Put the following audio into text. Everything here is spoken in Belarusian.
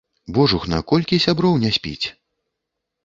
Божухна, колькі сяброў не спіць!